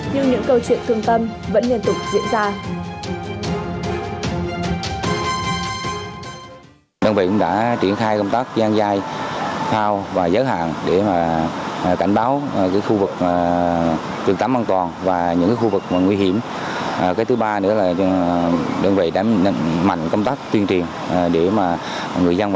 nhưng những câu chuyện thương tâm vẫn liên tục diễn ra